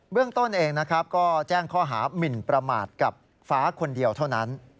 เรื่องต้นเองนะครับก็แจ้งข้อหามินประมาทกับฟ้าคนเดียวเท่านั้น